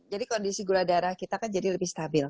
jadi kondisi gula darah kita kan jadi lebih stabil